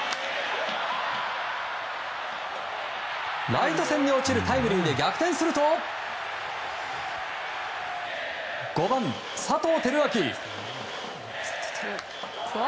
ライト線に落ちるタイムリーで逆転すると５番、佐藤輝明。